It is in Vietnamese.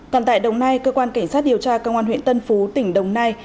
còn tại đồng nai cơ quan cảnh sát điều tra công an huyện tân phú tỉnh đồng nai